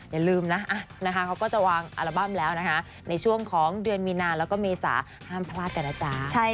อย่าลืมนะนะคะเขาก็จะวางอัลบั้มแล้วนะคะในช่วงของเดือนมีนาแล้วก็เมษาห้ามพลาดกันนะจ๊ะ